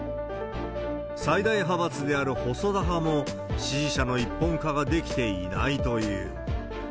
最大派閥である細田派も、支持者の一本化はできていないという。